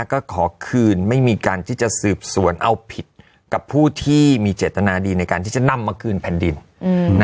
ก็ขอคืนไม่มีการที่จะสืบสวนเอาผิดกับผู้ที่มีเจตนาดีในการที่จะนำมาคืนแผ่นดิน